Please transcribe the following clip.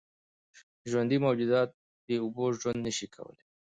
ژوندي موجودات بېاوبو ژوند نشي کولی.